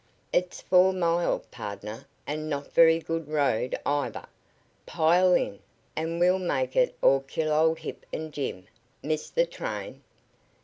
"It's four mile, pardner, and not very good road, either. Pile in, and we'll make it er kill old Hip and Jim. Miss the train?"